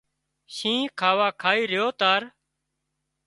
شينهن کاوا کائي ريو تار